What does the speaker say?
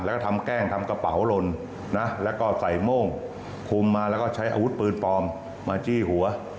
แล้วก็ทำแกล้งทำกระเป๋าหล่นนะแล้วก็ใส่โม่งคุมมาแล้วก็ใช้อาวุธปืนปลอมมาจี้หัว